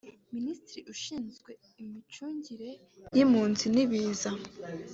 Minisitiri Ushinzwe Imicungire y’Impunzi n’Ibiza